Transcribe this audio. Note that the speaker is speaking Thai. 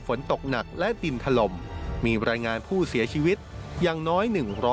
ฝนตกหนักและดินถล่มมีรายงานผู้เสียชีวิตอย่างน้อย๑๐๐